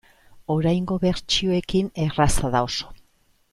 Oraingo bertsioekin erraza da, oso.